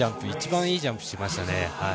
一番いいジャンプしましたね。